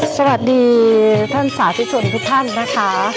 สวัสดีท่านสาธุชนทุกท่านนะคะ